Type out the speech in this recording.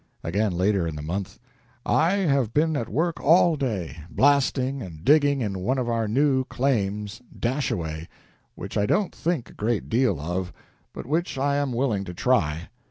Again, later in the month: "I have been at work all day, blasting and digging in one of our new claims, 'Dashaway,' which I don't think a great deal of, but which I am willing to try.